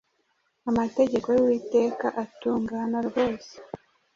Amategeko y’Uwiteka atungana rwose,